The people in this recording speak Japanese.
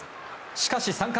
しかし３回。